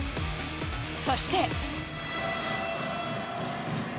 そして。